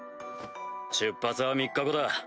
出発は３日後だ。